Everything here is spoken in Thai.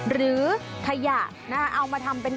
หรือขยะเอามาทำเป็น